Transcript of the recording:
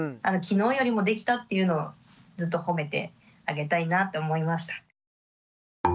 昨日よりもできたっていうのをずっと褒めてあげたいなって思いました。